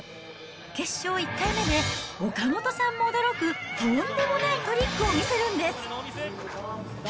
決勝１回目で、岡本さんも驚く、とんでもないトリックを見せるんです。